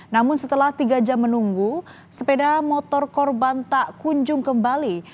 namun setelah tiga jam menunggu sepeda motor korban tak kunjung kembali